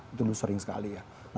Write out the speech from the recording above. itu sering sekali ya